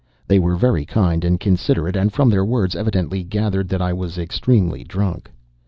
They were very kind and considerate, and from their words evidently gathered that I was extremely drunk.